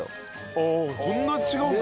ああこんなに違うんだ！